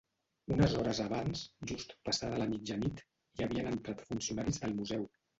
Unes hores abans, just passada la mitjanit, hi havien entrat funcionaris del museu.